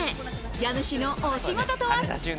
家主のお仕事とは？